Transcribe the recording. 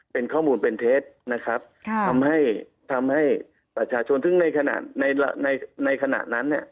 เป็นข้อมูลเป็นเทสทำให้ประชาชนทุกข์ในขณะนั้น